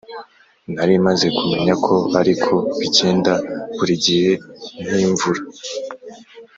Nari maze kumenya ko ariko bigenda burigihe k’imvura